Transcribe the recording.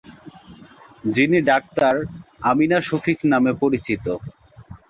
যিনি ডাক্তার আমিনা শফিক নামে পরিচিত।